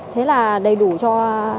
thế là đầy đủ cho